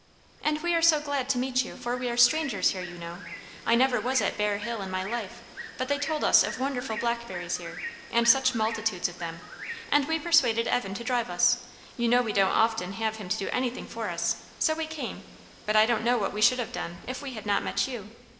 "And we are so glad to meet you; for we are strangers here, you know. I never was at Bear Hill in my life, but they told us of wonderful blackberries here, and such multitudes of them; and we persuaded Evan to drive us you know we don't often have him to do anything for us; so we came, but I don't know what we should have done if we had not met you.